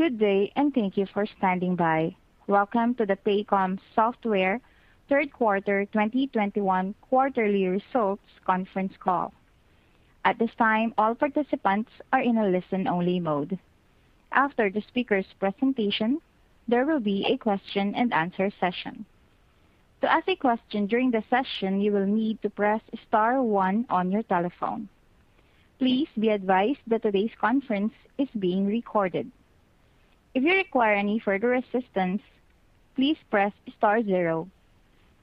Good day, and thank you for standing by. Welcome to the Paycom Software third quarter 2021 quarterly results conference call. At this time, all participants are in a listen-only mode. After the speaker's presentation, there will be a question-and-answer session. To ask a question during the session, you will need to press star one on your telephone. Please be advised that today's conference is being recorded. If you require any further assistance, please press star zero.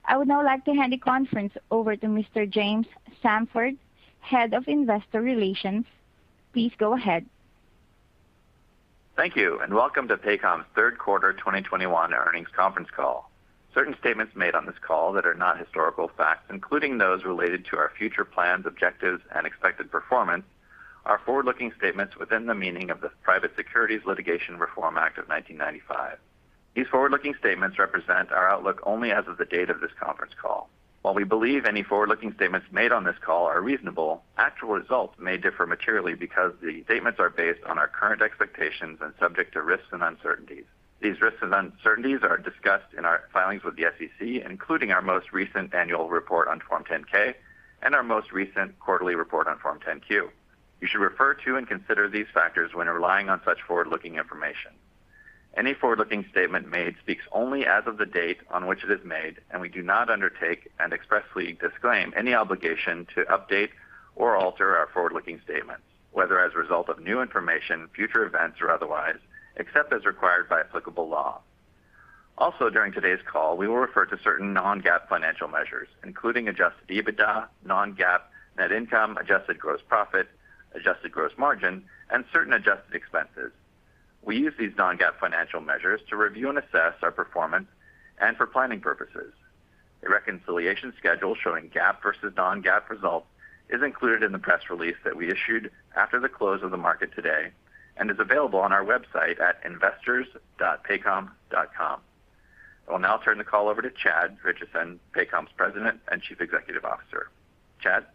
I would now like to hand the conference over to Mr. James Samford, Head of Investor Relations. Please go ahead. Thank you, and welcome to Paycom's third quarter 2021 earnings conference call. Certain statements made on this call that are not historical facts, including those related to our future plans, objectives, and expected performance, are forward-looking statements within the meaning of the Private Securities Litigation Reform Act of 1995. These forward-looking statements represent our outlook only as of the date of this conference call. While we believe any forward-looking statements made on this call are reasonable, actual results may differ materially because the statements are based on our current expectations and subject to risks and uncertainties. These risks and uncertainties are discussed in our filings with the SEC, including our most recent annual report on Form 10-K and our most recent quarterly report on Form 10-Q. You should refer to and consider these factors when relying on such forward-looking information. Any forward-looking statement made speaks only as of the date on which it is made, and we do not undertake and expressly disclaim any obligation to update or alter our forward-looking statements, whether as a result of new information, future events, or otherwise, except as required by applicable law. Also, during today's call, we will refer to certain non-GAAP financial measures, including adjusted EBITDA, non-GAAP net income, adjusted gross profit, adjusted gross margin, and certain adjusted expenses. We use these non-GAAP financial measures to review and assess our performance and for planning purposes. A reconciliation schedule showing GAAP versus non-GAAP results is included in the press release that we issued after the close of the market today and is available on our website at investors.paycom.com. I will now turn the call over to Chad Richison, Paycom's President and Chief Executive Officer. Chad?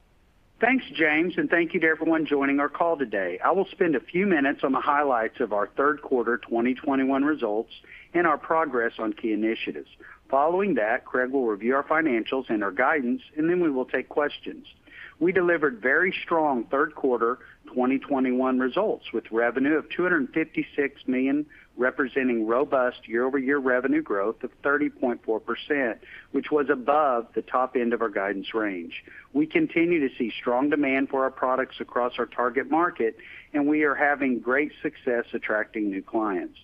Thanks, James, and thank you to everyone joining our call today. I will spend a few minutes on the highlights of our third quarter 2021 results and our progress on key initiatives. Following that, Craig will review our financials and our guidance, and then we will take questions. We delivered very strong third quarter 2021 results, with revenue of $256 million, representing robust year-over-year revenue growth of 30.4%, which was above the top end of our guidance range. We continue to see strong demand for our products across our target market, and we are having great success attracting new clients.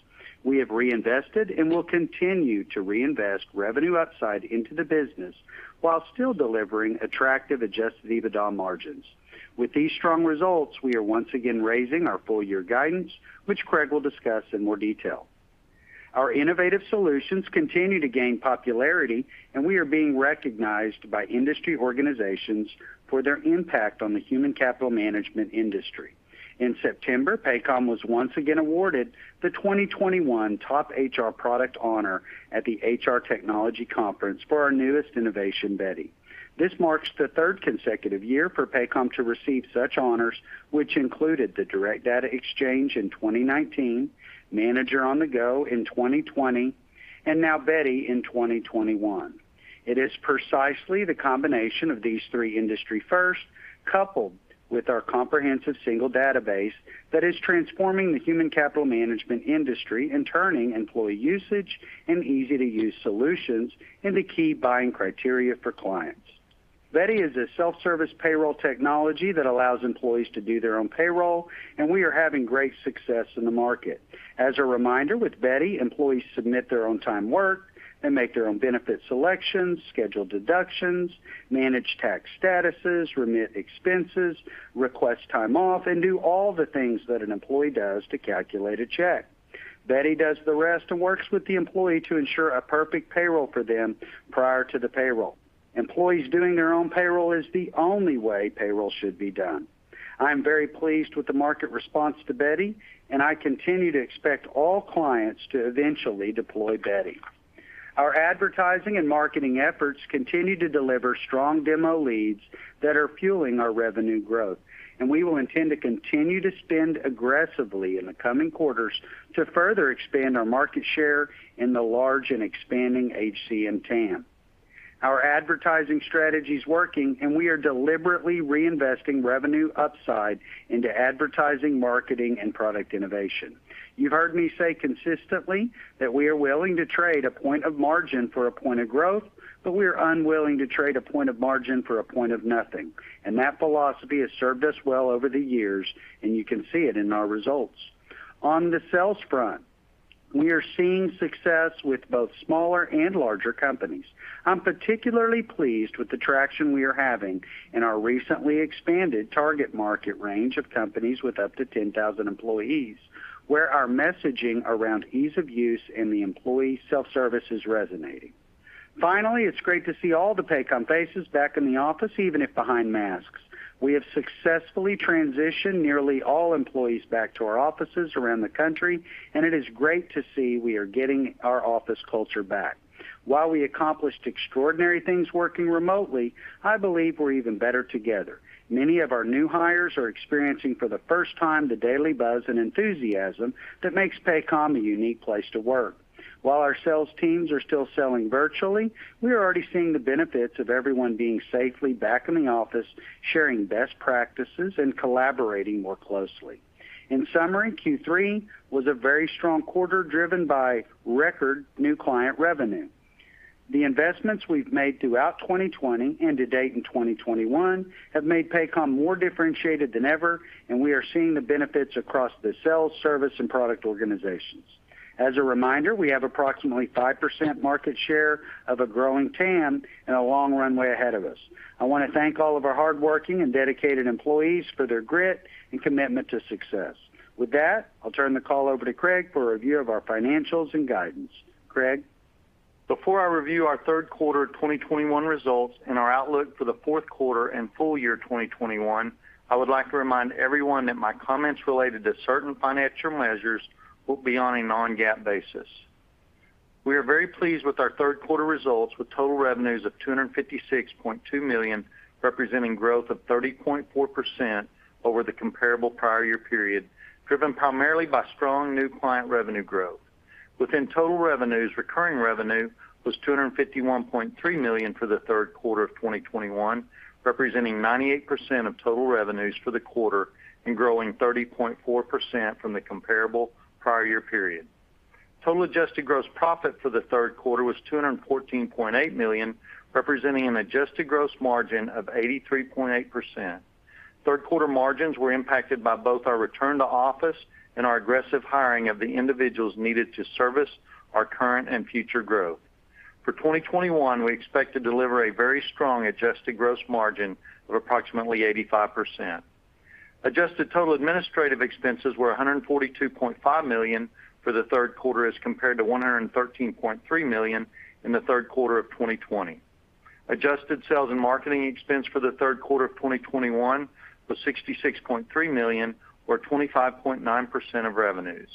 We have reinvested and will continue to reinvest revenue upside into the business while still delivering attractive adjusted EBITDA margins. With these strong results, we are once again raising our full year guidance, which Craig will discuss in more detail. Our innovative solutions continue to gain popularity, and we are being recognized by industry organizations for their impact on the human capital management industry. In September, Paycom was once again awarded the 2021 Top HR Product honor at the HR Technology Conference for our newest innovation, Beti. This marks the third consecutive year for Paycom to receive such honors, which included the Direct Data Exchange in 2019, Manager on-the-Go in 2020, and now Beti in 2021. It is precisely the combination of these three industry firsts, coupled with our comprehensive single database that is transforming the human capital management industry and turning employee usage and easy-to-use solutions into key buying criteria for clients. Beti is a self-service payroll technology that allows employees to do their own payroll, and we are having great success in the market. As a reminder, with Beti, employees submit their own time worked and make their own benefit selections, schedule deductions, manage tax statuses, remit expenses, request time off, and do all the things that an employee does to calculate a check. Beti does the rest and works with the employee to ensure a perfect payroll for them prior to the payroll. Employees doing their own payroll is the only way payroll should be done. I am very pleased with the market response to Beti, and I continue to expect all clients to eventually deploy Beti. Our advertising and marketing efforts continue to deliver strong demo leads that are fueling our revenue growth, and we will intend to continue to spend aggressively in the coming quarters to further expand our market share in the large and expanding HCM TAM. Our advertising strategy is working, and we are deliberately reinvesting revenue upside into advertising, marketing, and product innovation. You've heard me say consistently that we are willing to trade a point of margin for a point of growth, but we are unwilling to trade a point of margin for a point of nothing, and that philosophy has served us well over the years, and you can see it in our results. On the sales front, we are seeing success with both smaller and larger companies. I'm particularly pleased with the traction we are having in our recently expanded target market range of companies with up to 10,000 employees, where our messaging around ease of use and the employee self-service is resonating. Finally, it's great to see all the Paycom faces back in the office, even if behind masks. We have successfully transitioned nearly all employees back to our offices around the country, and it is great to see we are getting our office culture back. While we accomplished extraordinary things working remotely, I believe we're even better together. Many of our new hires are experiencing for the first time the daily buzz and enthusiasm that makes Paycom a unique place to work. While our sales teams are still selling virtually, we are already seeing the benefits of everyone being safely back in the office, sharing best practices, and collaborating more closely. In summary, Q3 was a very strong quarter, driven by record new client revenue. The investments we've made throughout 2020 and to date in 2021 have made Paycom more differentiated than ever, and we are seeing the benefits across the sales, service, and product organizations. As a reminder, we have approximately 5% market share of a growing TAM and a long runway ahead of us. I wanna thank all of our hardworking and dedicated employees for their grit and commitment to success. With that, I'll turn the call over to Craig for a review of our financials and guidance. Craig? Before I review our third quarter of 2021 results and our outlook for the fourth quarter and full year 2021, I would like to remind everyone that my comments related to certain financial measures will be on a non-GAAP basis. We are very pleased with our third quarter results, with total revenues of $256.2 million, representing growth of 30.4% over the comparable prior year period, driven primarily by strong new client revenue growth. Within total revenues, recurring revenue was $251.3 million for the third quarter of 2021, representing 98% of total revenues for the quarter and growing 30.4% from the comparable prior year period. Total adjusted gross profit for the third quarter was $214.8 million, representing an adjusted gross margin of 83.8%. Third quarter margins were impacted by both our return to office and our aggressive hiring of the individuals needed to service our current and future growth. For 2021, we expect to deliver a very strong adjusted gross margin of approximately 85%. Adjusted total administrative expenses were $142.5 million for the third quarter as compared to $113.3 million in the third quarter of 2020. Adjusted sales and marketing expense for the third quarter of 2021 was $66.3 million or 25.9% of revenues.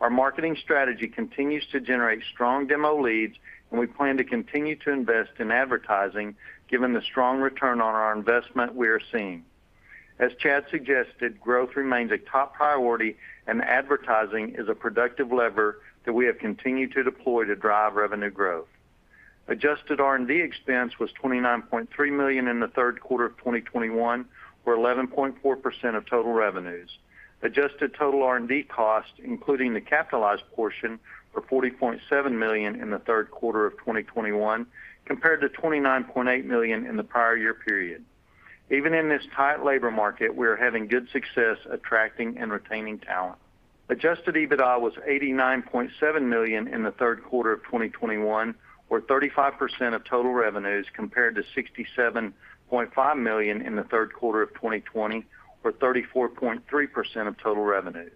Our marketing strategy continues to generate strong demo leads, and we plan to continue to invest in advertising given the strong return on our investment we are seeing. As Chad suggested, growth remains a top priority, and advertising is a productive lever that we have continued to deploy to drive revenue growth. Adjusted R&D expense was $29.3 million in the third quarter of 2021, or 11.4% of total revenues. Adjusted total R&D costs, including the capitalized portion, were $40.7 million in the third quarter of 2021 compared to $29.8 million in the prior year period. Even in this tight labor market, we are having good success attracting and retaining talent. Adjusted EBITDA was $89.7 million in the third quarter of 2021, or 35% of total revenues compared to $67.5 million in the third quarter of 2020, or 34.3% of total revenues.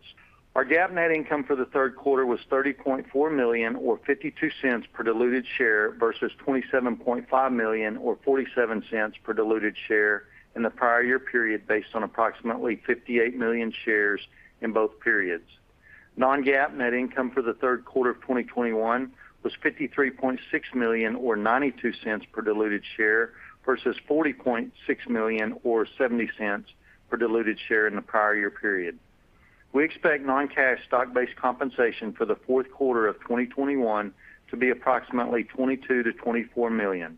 Our GAAP net income for the third quarter was $30.4 million or $0.52 per diluted share versus $27.5 million or $0.47 per diluted share in the prior year period based on approximately 58 million shares in both periods. Non-GAAP net income for the third quarter of 2021 was $53.6 million or $0.92 per diluted share versus $40.6 million or $0.70 per diluted share in the prior year period. We expect non-cash stock-based compensation for the fourth quarter of 2021 to be approximately $22 million-$24 million.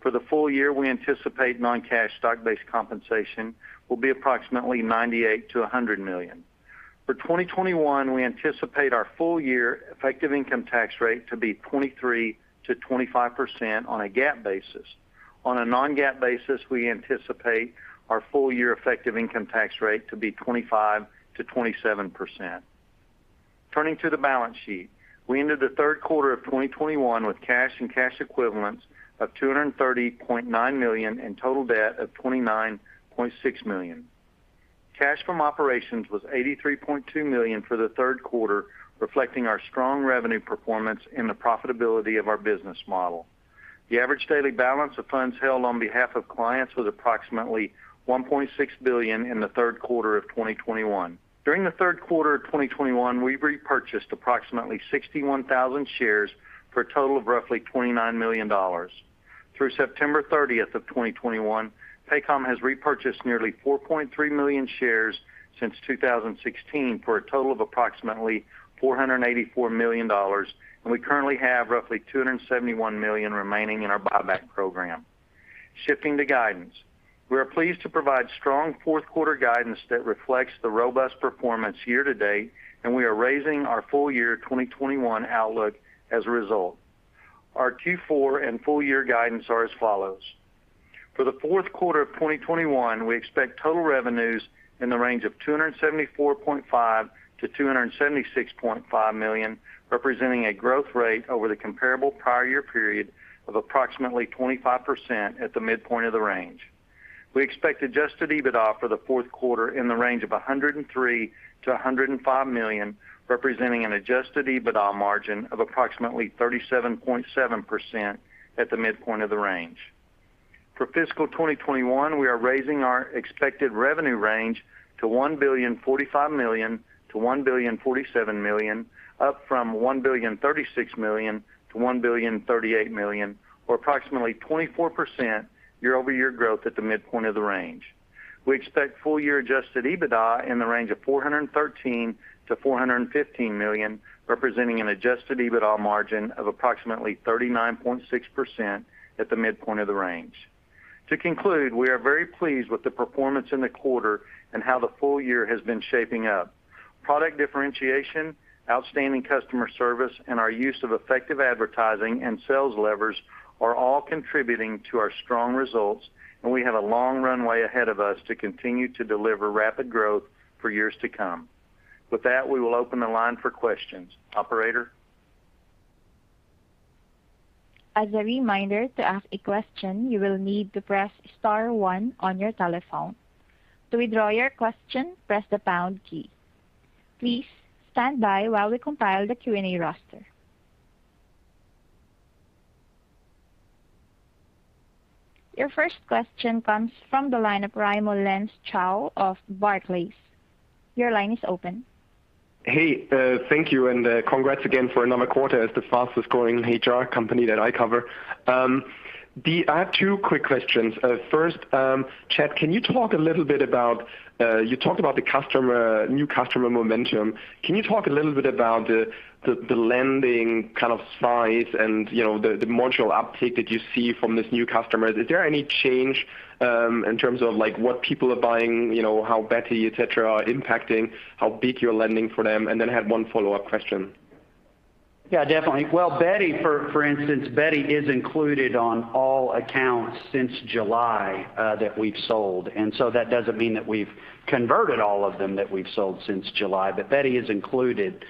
For the full year, we anticipate non-cash stock-based compensation will be approximately $98 million-$100 million. For 2021, we anticipate our full year effective income tax rate to be 23%-25% on a GAAP basis. On a non-GAAP basis, we anticipate our full year effective income tax rate to be 25%-27%. Turning to the balance sheet. We ended the third quarter of 2021 with cash and cash equivalents of $230.9 million and total debt of $29.6 million. Cash from operations was $83.2 million for the third quarter of 2021. The average daily balance of funds held on behalf of clients was approximately $1.6 billion in the third quarter of 2021. During the third quarter of 2021, we repurchased approximately 61,000 shares for a total of roughly $29 million. Through September 30, 2021, Paycom has repurchased nearly 4.3 million shares since 2016 for a total of approximately $484 million, and we currently have roughly $271 million remaining in our buyback program. Shifting to guidance. We are pleased to provide strong fourth quarter guidance that reflects the robust performance year to date, and we are raising our full year 2021 outlook as a result. Our Q4 and full year guidance are as follows: For the fourth quarter of 2021, we expect total revenues in the range of $274.5 million-$276.5 million, representing a growth rate over the comparable prior year period of approximately 25% at the midpoint of the range. We expect adjusted EBITDA for the fourth quarter in the range of $103 million-$105 million, representing an adjusted EBITDA margin of approximately 37.7% at the midpoint of the range. For fiscal 2021, we are raising our expected revenue range to $1.045 billion-$1.047 billion, up from $1.036 billion-$1.038 billion, or approximately 24% year-over-year growth at the midpoint of the range. We expect full year adjusted EBITDA in the range of $413 million-$415 million, representing an adjusted EBITDA margin of approximately 39.6% at the midpoint of the range. To conclude, we are very pleased with the performance in the quarter and how the full year has been shaping up. Product differentiation, outstanding customer service, and our use of effective advertising and sales levers are all contributing to our strong results, and we have a long runway ahead of us to continue to deliver rapid growth for years to come. With that, we will open the line for questions. Operator? As a reminder, to ask a question, you will need to press star one on your telephone. To withdraw your question, press the pound key. Please stand by while we compile the Q&A roster. Your first question comes from the line of Raimo Lenschow of Barclays. Your line is open. Hey, thank you, and congrats again for another quarter as the fastest growing HR company that I cover. I have two quick questions. First, Chad, can you talk a little bit about, you talked about the new customer momentum. Can you talk a little bit about the landing kind of size and, you know, the module uptake that you see from these new customers? Is there any change, in terms of like what people are buying, you know, how Beti, et cetera, are impacting how big you're landing for them? And then I had one follow-up question. Yeah, definitely. Well, Beti, for instance, Beti is included on all accounts since July that we've sold. That doesn't mean that we've converted all of them that we've sold since July, but Beti is included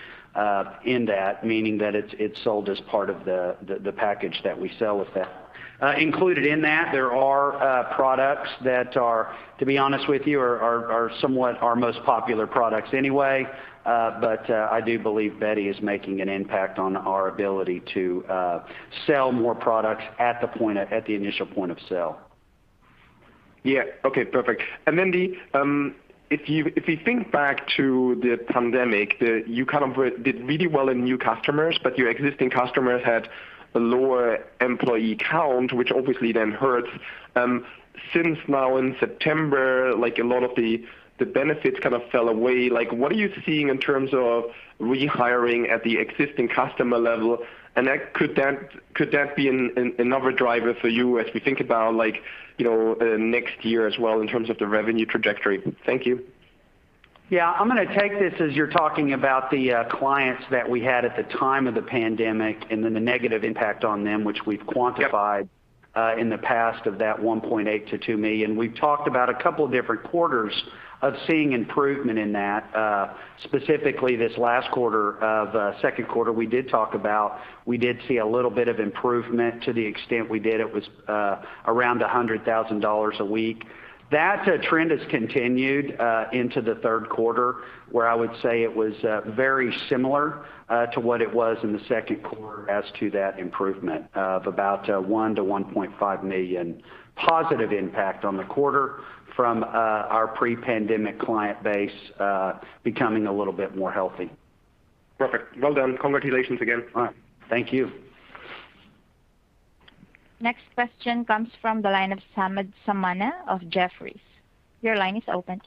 in that, meaning that it's sold as part of the package that we sell with that. Included in that, there are products that are, to be honest with you, somewhat our most popular products anyway. I do believe Beti is making an impact on our ability to sell more products at the initial point of sale. Yeah. Okay, perfect. If you think back to the pandemic, you kind of did really well in new customers, but your existing customers had a lower employee count, which obviously then hurts. Since now in September, like, a lot of the benefits kind of fell away. Like, what are you seeing in terms of rehiring at the existing customer level? Could that be another driver for you as we think about, like, you know, next year as well in terms of the revenue trajectory? Thank you. Yeah. I'm gonna take this as you're talking about the clients that we had at the time of the pandemic and then the negative impact on them, which we've quantified. Yep. In the past half of that $1.8 million-$2 million. We've talked about a couple different quarters of seeing improvement in that, specifically this last quarter, second quarter, we did talk about seeing a little bit of improvement. To the extent we did, it was around $100,000 a week. That trend has continued into the third quarter, where I would say it was very similar to what it was in the second quarter as to that improvement of about $1 million-$1.5 million positive impact on the quarter from our pre-pandemic client base becoming a little bit more healthy. Perfect. Well done. Congratulations again. All right. Thank you. Next question comes from the line of Samad Samana of Jefferies. Your line is open.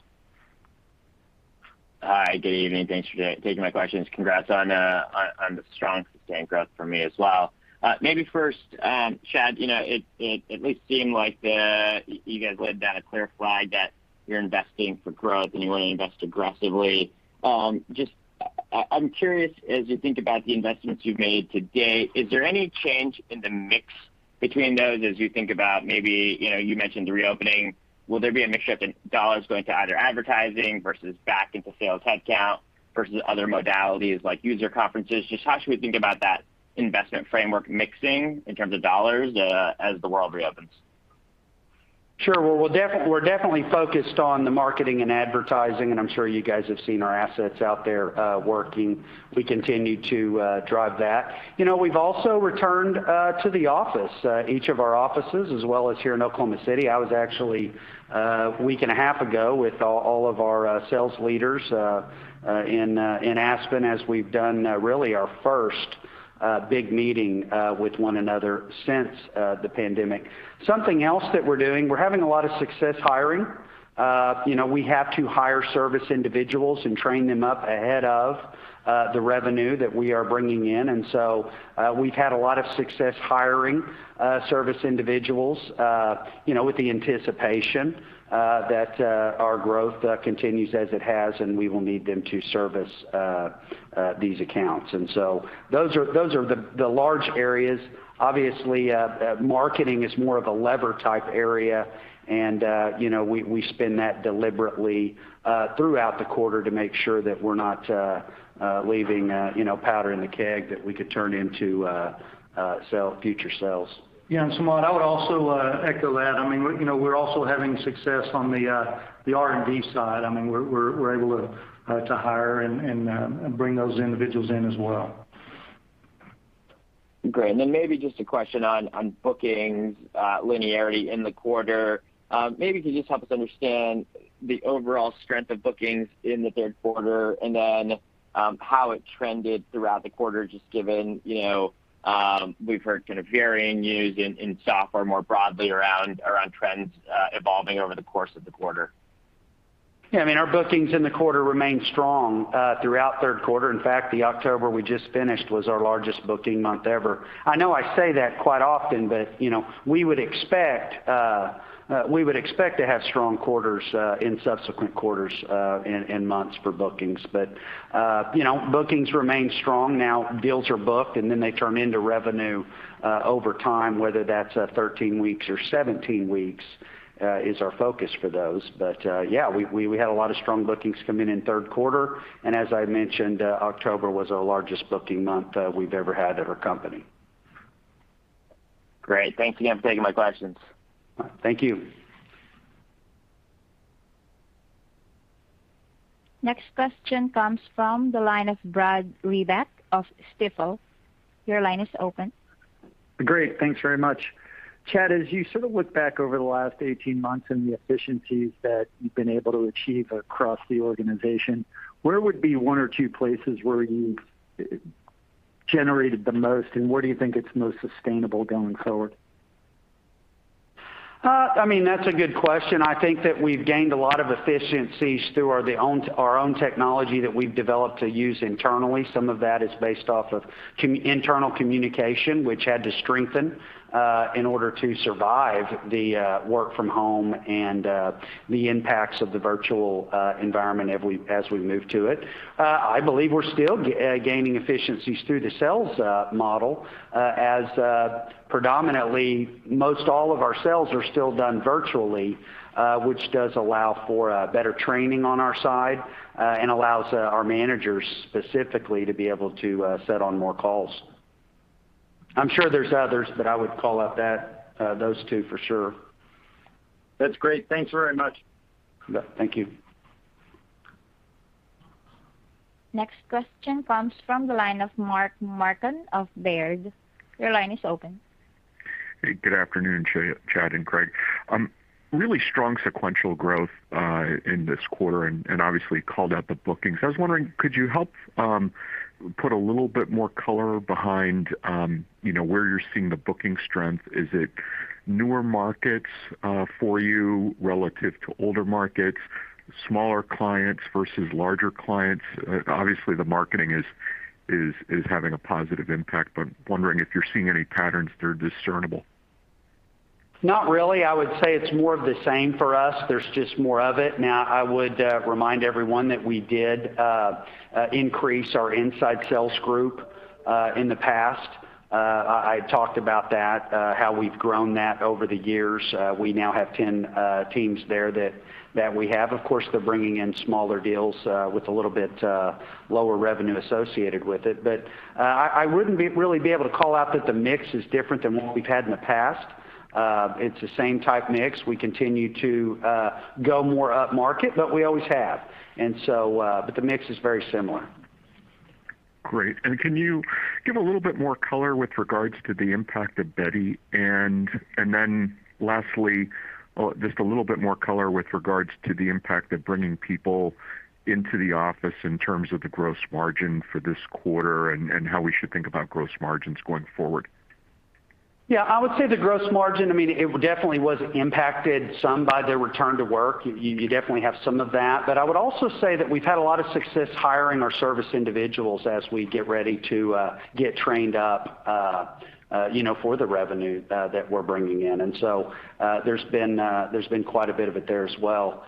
Hi. Good evening. Thanks for taking my questions. Congrats on the strong sustained growth from you as well. Maybe first, Chad, you know, it at least seemed like you guys laid down a clear flag that you're investing for growth and you want to invest aggressively. I'm curious, as you think about the investments you've made to date, is there any change in the mix between those as you think about maybe, you know, you mentioned the reopening, will there be a mixture of the dollars going to either advertising versus back into sales headcount versus other modalities like user conferences? Just how should we think about that investment framework mixing in terms of dollars as the world reopens? Sure. Well, we're definitely focused on the marketing and advertising, and I'm sure you guys have seen our assets out there working. We continue to drive that. You know, we've also returned to the office each of our offices as well as here in Oklahoma City. I was actually a week and a half ago with all of our sales leaders in Aspen as we've done really our first big meeting with one another since the pandemic. Something else that we're doing, we're having a lot of success hiring. You know, we have to hire service individuals and train them up ahead of the revenue that we are bringing in. We've had a lot of success hiring service individuals, you know, with the anticipation that our growth continues as it has, and we will need them to service these accounts. Those are the large areas. Obviously, marketing is more of a lever type area and, you know, we spend that deliberately throughout the quarter to make sure that we're not leaving, you know, powder in the keg that we could turn into future sales. Yeah. Samad, I would also echo that. I mean, you know, we're also having success on the R&D side. I mean, we're able to hire and bring those individuals in as well. Great. Then maybe just a question on bookings, linearity in the quarter. Maybe could you just help us understand the overall strength of bookings in the third quarter and then how it trended throughout the quarter, just given you know, we've heard kind of varying news in software more broadly around trends evolving over the course of the quarter. Yeah, I mean, our bookings in the quarter remained strong throughout third quarter. In fact, the October we just finished was our largest booking month ever. I know I say that quite often, but you know, we would expect to have strong quarters in subsequent quarters and months for bookings. You know, bookings remain strong. Now, deals are booked, and then they turn into revenue over time, whether that's 13 weeks or 17 weeks is our focus for those. Yeah, we had a lot of strong bookings come in in third quarter. As I mentioned, October was our largest booking month we've ever had at our company. Great. Thanks again for taking my questions. Thank you. Next question comes from the line of Brad Reback of Stifel. Your line is open. Great. Thanks very much. Chad, as you sort of look back over the last 18 months and the efficiencies that you've been able to achieve across the organization, where would be one or two places where you've generated the most, and where do you think it's most sustainable going forward? I mean, that's a good question. I think that we've gained a lot of efficiencies through our own technology that we've developed to use internally. Some of that is based off of internal communication, which had to strengthen in order to survive the work from home and the impacts of the virtual environment as we've moved to it. I believe we're still gaining efficiencies through the sales model, as predominantly most all of our sales are still done virtually, which does allow for better training on our side, and allows our managers specifically to be able to sit on more calls. I'm sure there's others, but I would call out that those two for sure. That's great. Thanks very much. You bet. Thank you. Next question comes from the line of Mark of Baird. Your line is open. Hey, good afternoon, Chad and Craig. Really strong sequential growth in this quarter and obviously called out the bookings. I was wondering, could you help put a little bit more color behind, you know, where you're seeing the booking strength? Is it newer markets for you relative to older markets, smaller clients versus larger clients? Obviously, the marketing is having a positive impact, but wondering if you're seeing any patterns that are discernible. Not really. I would say it's more of the same for us. There's just more of it. Now, I would remind everyone that we did increase our inside sales group in the past. I talked about that how we've grown that over the years. We now have 10 teams there that we have. Of course, they're bringing in smaller deals with a little bit lower revenue associated with it. I wouldn't really be able to call out that the mix is different than what we've had in the past. It's the same type mix. We continue to go more upmarket, but we always have. The mix is very similar. Great. Can you give a little bit more color with regards to the impact of Beti? Lastly, just a little bit more color with regards to the impact of bringing people into the office in terms of the gross margin for this quarter and how we should think about gross margins going forward. Yeah. I would say the gross margin, I mean, it definitely was impacted some by the return to work. You definitely have some of that. I would also say that we've had a lot of success hiring our service individuals as we get ready to get trained up, you know, for the revenue that we're bringing in. There's been quite a bit of it there as well.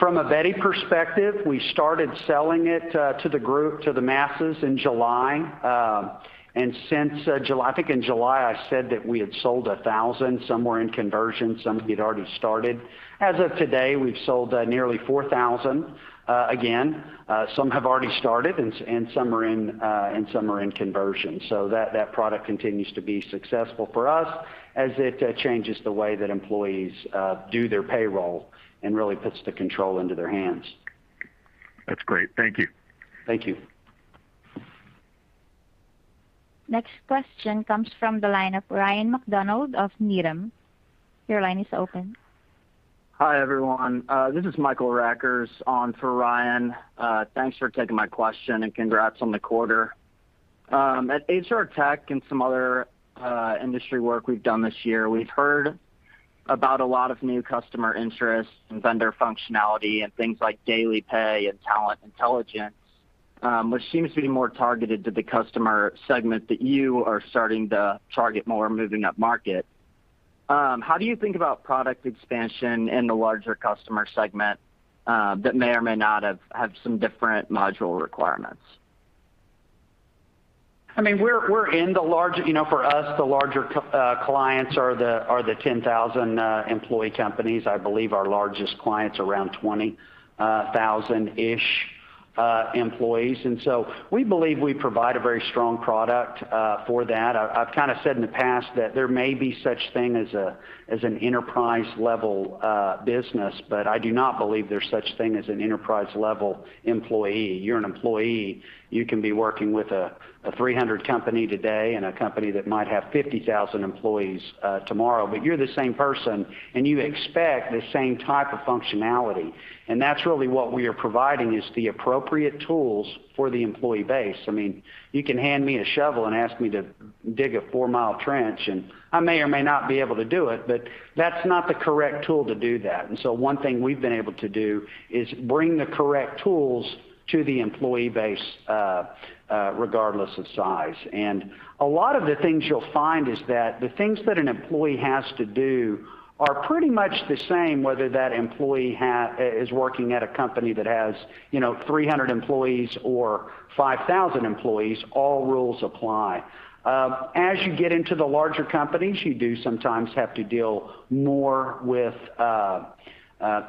From a Beti perspective, we started selling it to the group, to the masses in July. Since July—I think in July, I said that we had sold 1,000, some were in conversion, some had already started. As of today, we've sold nearly 4,000. Again, some have already started and some are in conversion. That product continues to be successful for us as it changes the way that employees do their payroll and really puts the control into their hands. That's great. Thank you. Thank you. Next question comes from the line of Ryan MacDonald of Needham. Your line is open. Hi, everyone. This is Michael Rackers on for Ryan. Thanks for taking my question, and congrats on the quarter. At HR Tech and some other industry work we've done this year, we've heard about a lot of new customer interest and vendor functionality and things like daily pay and talent intelligence, which seems to be more targeted to the customer segment that you are starting to target more moving upmarket. How do you think about product expansion in the larger customer segment that may or may not have some different module requirements? I mean, we're in the large. You know, for us, the larger clients are the 10,000 employee companies. I believe our largest client's around 20,000-ish employees. We believe we provide a very strong product for that. I've kinda said in the past that there may be such thing as an enterprise level business, but I do not believe there's such thing as an enterprise level employee. You're an employee. You can be working with a 300 company today and a company that might have 50,000 employees tomorrow, but you're the same person, and you expect the same type of functionality. That's really what we are providing, is the appropriate tools for the employee base. I mean, you can hand me a shovel and ask me to dig a 4-mile trench, and I may or may not be able to do it, but that's not the correct tool to do that. One thing we've been able to do is bring the correct tools to the employee base, regardless of size. A lot of the things you'll find is that the things that an employee has to do are pretty much the same, whether that employee is working at a company that has, you know, 300 employees or 5,000 employees. All rules apply. As you get into the larger companies, you do sometimes have to deal more with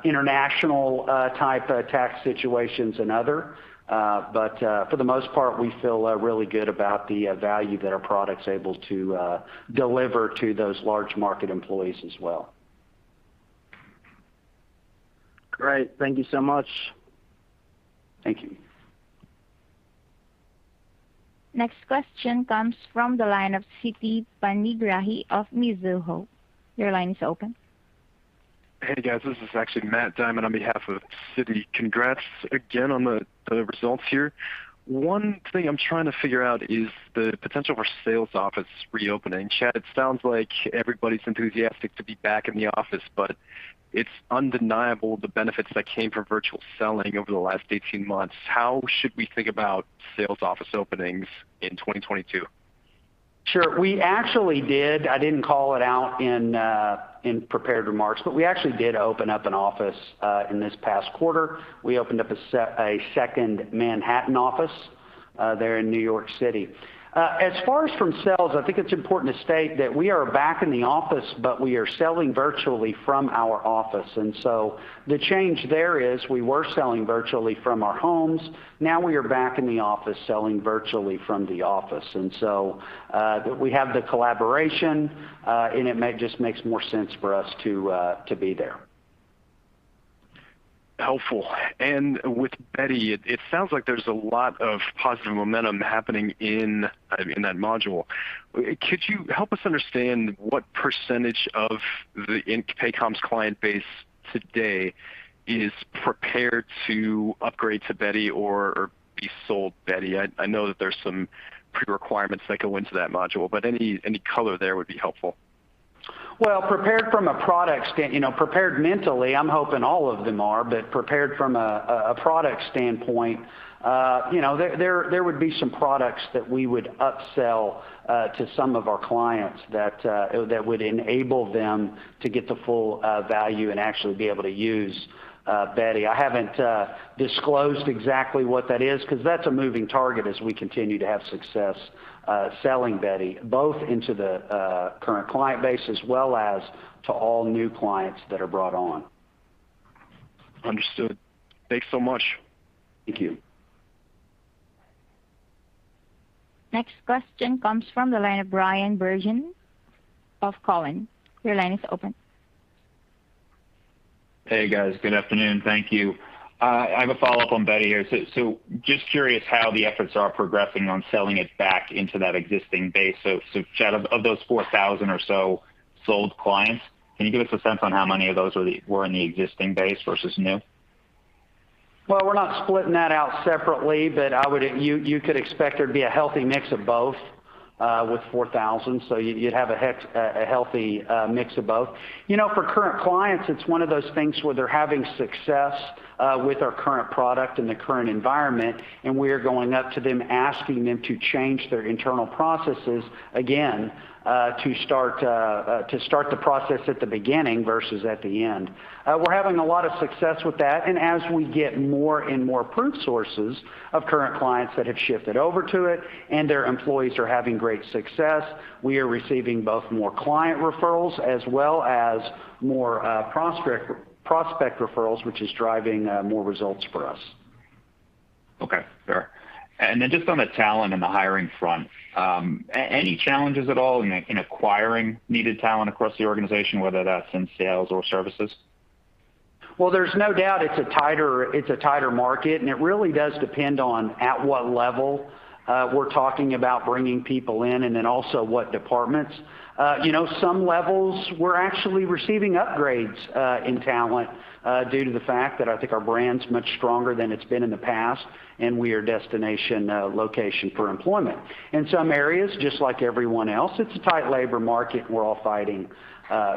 international-type tax situations and other. For the most part, we feel really good about the value that our product's able to deliver to those large market employees as well. Great. Thank you so much. Thank you. Next question comes from the line of Siti Panigrahi of Mizuho. Your line is open. Hey, guys. This is actually Matt Diamond on behalf of Siti. Congrats again on the results here. One thing I'm trying to figure out is the potential for sales office reopening. Chad, it sounds like everybody's enthusiastic to be back in the office, but it's undeniable the benefits that came from virtual selling over the last 18 months. How should we think about sales office openings in 2022? Sure. We actually did. I didn't call it out in prepared remarks, but we actually did open up an office in this past quarter. We opened up a second Manhattan office there in New York City. As far as sales, I think it's important to state that we are back in the office, but we are selling virtually from our office. The change there is we were selling virtually from our homes. Now we are back in the office selling virtually from the office. We have the collaboration, and it just makes more sense for us to be there. Helpful. With Beti, it sounds like there's a lot of positive momentum happening in, I mean, that module. Could you help us understand what percentage in Paycom's client base today is prepared to upgrade to Beti or be sold Beti? I know that there's some pre-requirements that go into that module, but any color there would be helpful. You know, prepared mentally, I'm hoping all of them are. Prepared from a product standpoint, you know, there would be some products that we would upsell to some of our clients that would enable them to get the full value and actually be able to use Beti. I haven't disclosed exactly what that is 'cause that's a moving target as we continue to have success selling Beti, both into the current client base as well as to all new clients that are brought on. Understood. Thanks so much. Thank you. Next question comes from the line of Bryan Bergin of Cowen. Your line is open. Hey, guys. Good afternoon. Thank you. I have a follow-up on Beti here. Just curious how the efforts are progressing on selling it back into that existing base. Chad, of those 4,000 or so sold clients, can you give us a sense on how many of those were in the existing base versus new? Well, we're not splitting that out separately, but I would. You could expect there'd be a healthy mix of both with 4,000. You'd have a healthy mix of both. You know, for current clients, it's one of those things where they're having success with our current product in the current environment, and we are going up to them asking them to change their internal processes again to start the process at the beginning versus at the end. We're having a lot of success with that. As we get more and more proof sources of current clients that have shifted over to it and their employees are having great success, we are receiving both more client referrals as well as more prospect referrals, which is driving more results for us. Okay. Sure. Just on the talent and the hiring front, any challenges at all in acquiring needed talent across the organization, whether that's in sales or services? Well, there's no doubt it's a tighter market, and it really does depend on at what level we're talking about bringing people in, and then also what departments. You know, some levels we're actually receiving upgrades in talent due to the fact that I think our brand's much stronger than it's been in the past, and we are a destination location for employment. In some areas, just like everyone else, it's a tight labor market. We're all fighting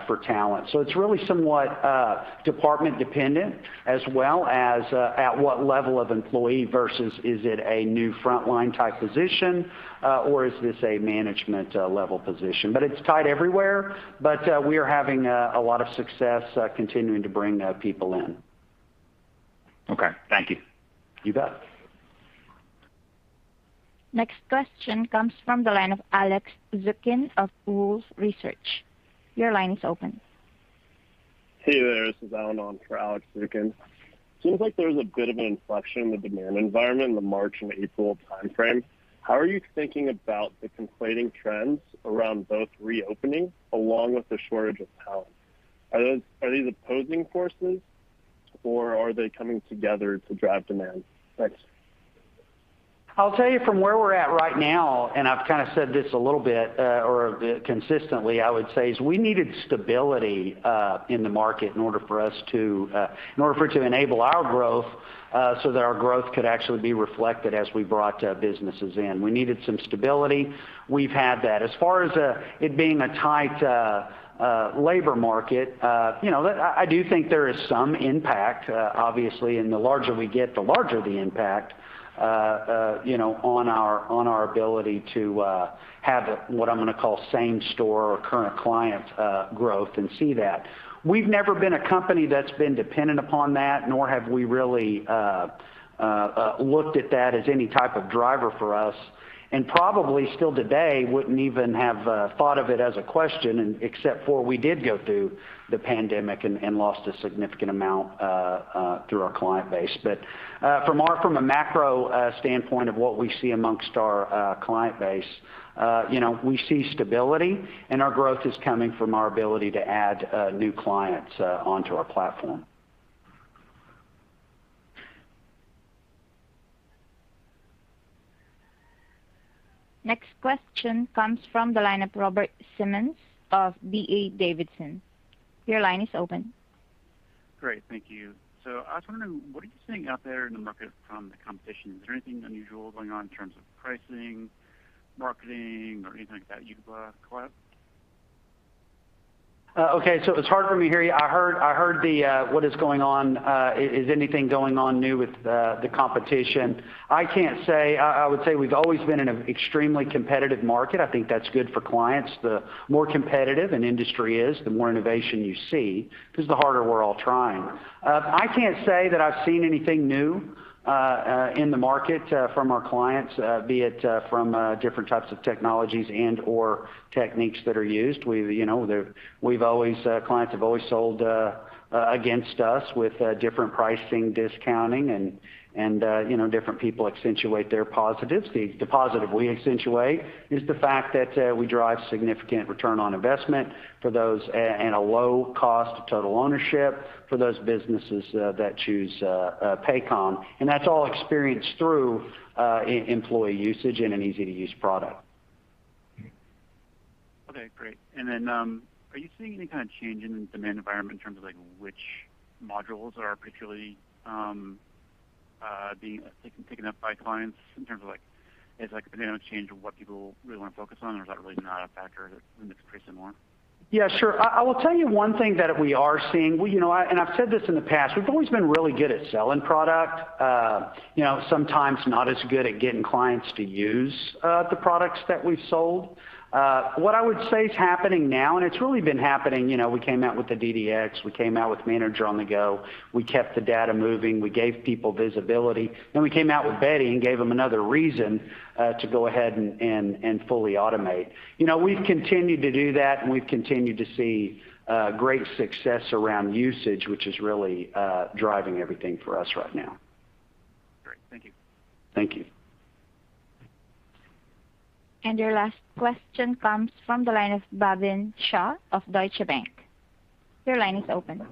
for talent. It's really somewhat department dependent as well as at what level of employee versus is it a new frontline type position or is this a management level position. It's tight everywhere, but we are having a lot of success continuing to bring people in. Okay. Thank you. You bet. Next question comes from the line of Alex Zukin of Wolfe Research. Your line is open. Hey there. This is Allan on for Alex Zukin. Seems like there's a bit of an inflection in the demand environment in the March-April timeframe. How are you thinking about the conflating trends around both reopening along with the shortage of talent? Are these opposing forces or are they coming together to drive demand? Thanks. I'll tell you from where we're at right now, and I've kind of said this a little bit or consistently, I would say, is we needed stability in the market in order for us to in order for it to enable our growth so that our growth could actually be reflected as we brought businesses in. We needed some stability. We've had that. As far as it being a tight labor market, you know, I do think there is some impact, obviously, and the larger we get, the larger the impact, you know, on our ability to have what I'm gonna call same store or current client growth and see that. We've never been a company that's been dependent upon that, nor have we really looked at that as any type of driver for us, and probably still today wouldn't even have thought of it as a question, except for we did go through the pandemic and lost a significant amount through our client base. From a macro standpoint of what we see amongst our client base, you know, we see stability and our growth is coming from our ability to add new clients onto our platform. Next question comes from the line of Robert Simmons of D.A. Davidson. Your line is open. Great. Thank you. I was wondering what are you seeing out there in the market from the competition? Is there anything unusual going on in terms of pricing, marketing, or anything like that you'd collect? Okay, it's hard for me to hear you. I heard what is going on, is anything going on new with the competition? I can't say. I would say we've always been in an extremely competitive market. I think that's good for clients. The more competitive an industry is, the more innovation you see because the harder we're all trying. I can't say that I've seen anything new in the market from our clients, be it from different types of technologies and/or techniques that are used. Clients have always sold against us with different pricing, discounting and, you know, different people accentuate their positives. The positive we accentuate is the fact that we drive significant return on investment for those at a low cost of total ownership for those businesses that choose Paycom. That's all experienced through employee usage and an easy-to-use product. Okay, great. Are you seeing any kind of change in the demand environment in terms of like which modules are particularly being taken up by clients in terms of like, is like a dynamic change of what people really want to focus on? Or is that really not a factor and it's pretty similar? Yeah, sure. I will tell you one thing that we are seeing. You know what, and I've said this in the past. We've always been really good at selling product, you know, sometimes not as good at getting clients to use the products that we've sold. What I would say is happening now, and it's really been happening, you know, we came out with the DDX, we came out with Manager on-the-Go, we kept the data moving, we gave people visibility. We came out with Beti and gave them another reason to go ahead and fully automate. You know, we've continued to do that, and we've continued to see great success around usage, which is really driving everything for us right now. Great. Thank you. Thank you. Your last question comes from the line of Bhavin Shah of Deutsche Bank. Your line is open.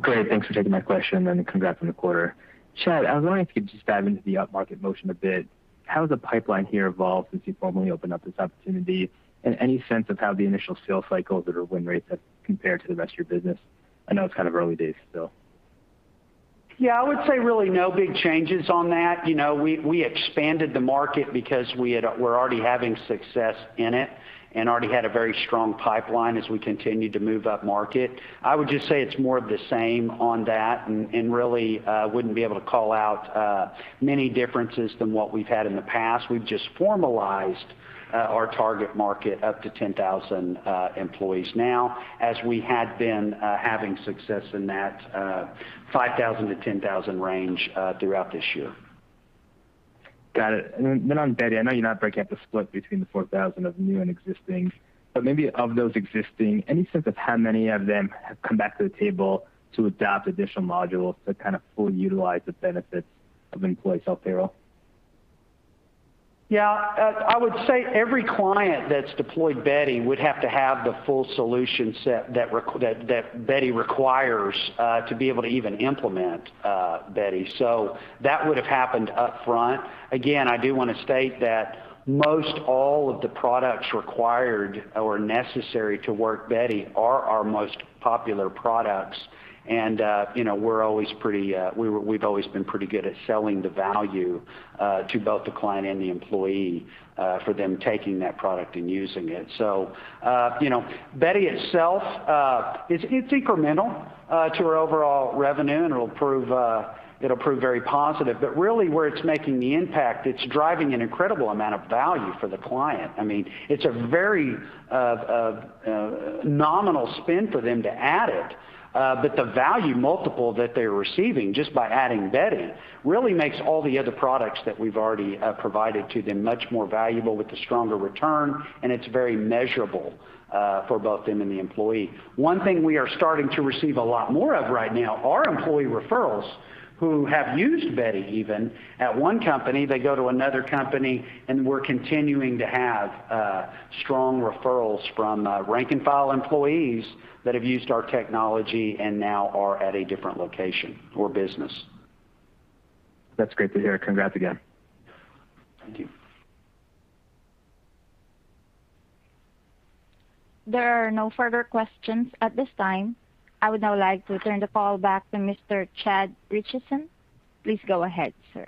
Great. Thanks for taking my question, and congrats on the quarter. Chad, I was wondering if you could just dive into the upmarket motion a bit. How has the pipeline here evolved since you formally opened up this opportunity? Any sense of how the initial sales cycles that are win rates have compared to the rest of your business? I know it's kind of early days still. Yeah, I would say really no big changes on that. You know, we expanded the market because we're already having success in it and already had a very strong pipeline as we continued to move upmarket. I would just say it's more of the same on that and really wouldn't be able to call out many differences than what we've had in the past. We've just formalized our target market up to 10,000 employees now, as we had been having success in that 5,000-10,000 range throughout this year. Got it. On Beti, I know you're not breaking up the split between the 4,000 of new and existing, but maybe of those existing, any sense of how many of them have come back to the table to adopt additional modules to kind of fully utilize the benefits of employee self-payroll? Yeah. I would say every client that's deployed Beti would have to have the full solution set that Beti requires to be able to even implement Beti. That would have happened up front. I do wanna state that most all of the products required or necessary to work Beti are our most popular products. You know, we've always been pretty good at selling the value to both the client and the employee for them taking that product and using it. You know, Beti itself it's incremental to our overall revenue, and it'll prove very positive. Really where it's making the impact, it's driving an incredible amount of value for the client. I mean, it's a very nominal spin for them to add it, but the value multiple that they're receiving just by adding Beti really makes all the other products that we've already provided to them much more valuable with a stronger return, and it's very measurable for both them and the employee. One thing we are starting to receive a lot more of right now are employee referrals who have used Beti even. At one company, they go to another company, and we're continuing to have strong referrals from rank-and-file employees that have used our technology and now are at a different location or business. That's great to hear. Congrats again. Thank you. There are no further questions at this time. I would now like to turn the call back to Mr. Chad Richison. Please go ahead, sir.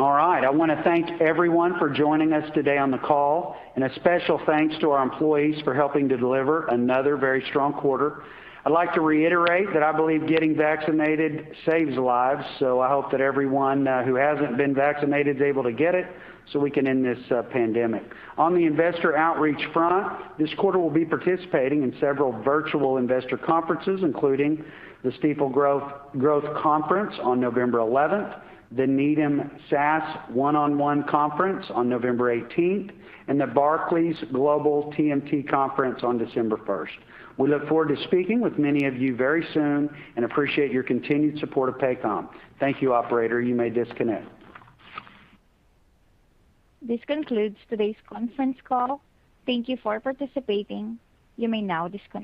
All right. I want to thank everyone for joining us today on the call, and a special thanks to our employees for helping to deliver another very strong quarter. I'd like to reiterate that I believe getting vaccinated saves lives, so I hope that everyone who hasn't been vaccinated is able to get it so we can end this pandemic. On the investor outreach front, this quarter we'll be participating in several virtual investor conferences, including the Stifel Growth Conference on November 11, the Needham SaaS one-on-one conference on November 18, and the Barclays Global TMT Conference on December 1. We look forward to speaking with many of you very soon and appreciate your continued support of Paycom. Thank you, operator. You may disconnect. This concludes today's conference call. Thank you for participating. You may now disconnect.